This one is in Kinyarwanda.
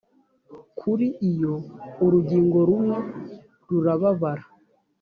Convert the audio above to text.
kr iyo urugingo rumwe rubabara